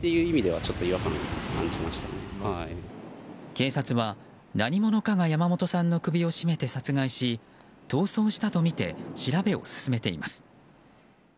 警察は、何者かが山本さんの首を絞めて殺害し逃走したとみて調べを進めています。